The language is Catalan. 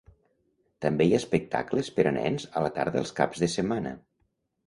També hi ha espectacles per a nens a la tarda els caps de setmana.